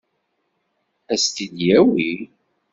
Ad s-t-id-yawi?